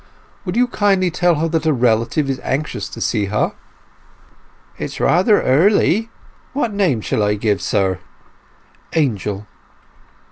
"Will you kindly tell her that a relative is anxious to see her?" "It is rather early. What name shall I give, sir?" "Angel."